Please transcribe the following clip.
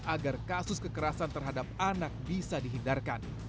agar kasus kekerasan terhadap anak bisa dihindarkan